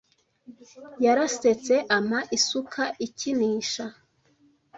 Yarasetse ampa isuka ikinisha.